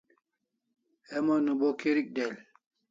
Heman o bo kirik del